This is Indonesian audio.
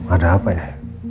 ada apa ya